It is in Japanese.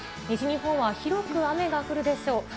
西日本は広く雨が降るでしょう。